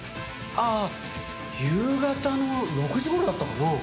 ああ夕方の６時頃だったかな。